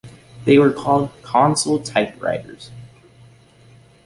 They were called "console typewriters".